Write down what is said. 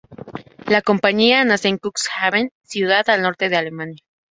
La compañía nace en Cuxhaven, ciudad al norte de Alemania.